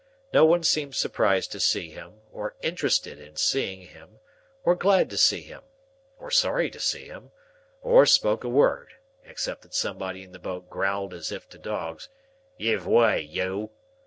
No one seemed surprised to see him, or interested in seeing him, or glad to see him, or sorry to see him, or spoke a word, except that somebody in the boat growled as if to dogs, "Give way, you!"